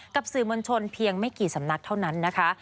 กับสื่อมวลชนเพียงไม่กี่สำนักเท่านั้นนะคะ